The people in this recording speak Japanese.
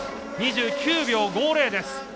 ２９秒５０です。